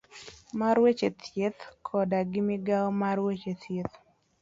mar weche thieth koda gi migawo mar weche thieth.